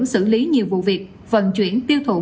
xử lý nhiều vụ việc vận chuyển tiêu thụ